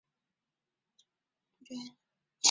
岷江杜鹃为杜鹃花科杜鹃属下的一个亚种。